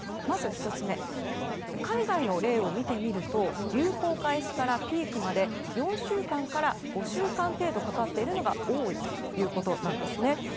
まず１つ目、海外の例を見ると流行開始からピークまで４週間から５週間程度かかっているのが多いということです。